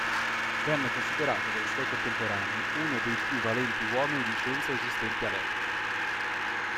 Venne considerato dai suoi contemporanei uno dei più valenti uomini di scienza esistenti all'epoca.